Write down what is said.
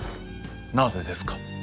「なぜですか？」。